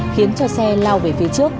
khiến cho xe lao về phía trước